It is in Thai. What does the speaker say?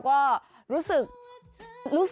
ขอบคุณครับ